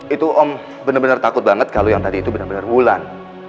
itu om bener bener takut banget kalo yang tadi itu bener bener wulan